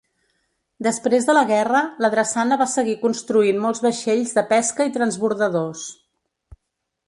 Després de la guerra, la drassana va seguir construint molts vaixells de pesca i transbordadors.